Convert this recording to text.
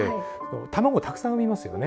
卵をたくさん産みますよね。